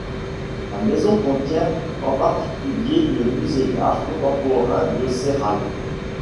La maison contient en particulier le musée d'art contemporain de Serralves.